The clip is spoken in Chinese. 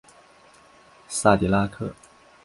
萨迪拉克。